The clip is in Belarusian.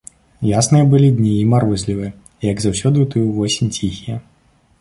Ясныя былі дні, і марозлівыя, і, як заўсёды ў тую восень, ціхія.